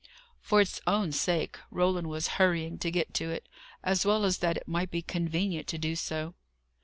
For its own sake, Roland was hurrying to get to it, as well as that it might be convenient to do so.